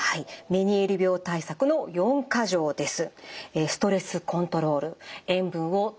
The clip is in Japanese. メニエール病対策の４か条です。